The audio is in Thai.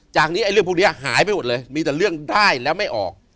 จากนี้ไอ้เรื่องพวกนี้หายไปหมดเลยมีแต่เรื่องได้แล้วไม่ออก